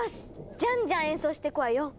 じゃんじゃん演奏してくわよ。